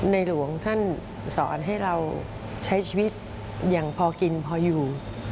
หลวงท่านสอนให้เราใช้ชีวิตอย่างพอกินพออยู่